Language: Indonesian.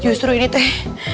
justru ini teh